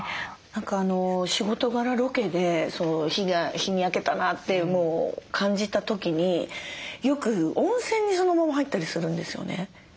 何か仕事柄ロケで日に焼けたなってもう感じた時によく温泉にそのまま入ったりするんですよね。